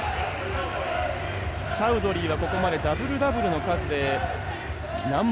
チャウドリーはここまでダブルダブルの数でナンバー４。